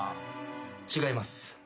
違います。